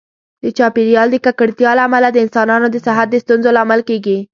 د چاپیریال د ککړتیا له امله د انسانانو د صحت د ستونزو لامل کېږي.